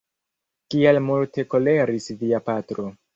Kiel multe koleris via patro!